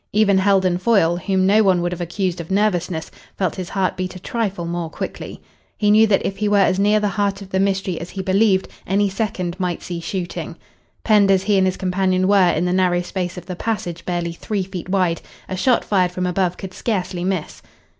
Even Heldon Foyle, whom no one would have accused of nervousness, felt his heart beat a trifle more quickly. He knew that if he were as near the heart of the mystery as he believed any second might see shooting. Penned as he and his companion were in the narrow space of the passage barely three feet wide, a shot fired from above could scarcely miss.